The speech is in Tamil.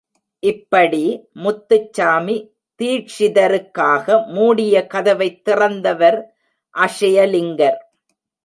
இப்படி முத்துச்சாமி தீக்ஷிதருக்காக மூடிய கதவைத் திறந்தவர் அக்ஷயலிங்கர்.